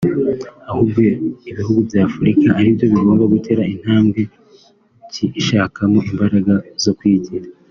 ahubwo ibihugu bya Afurika ari byo bigomba gutera intambwe kyshakamo imbaraga zo kwigira